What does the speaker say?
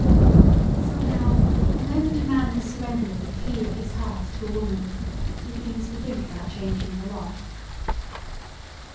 Somehow, the moment a man has surrendered the key of his heart to a woman, he begins to think about changing the lock.